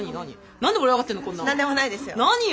何でもないですよ。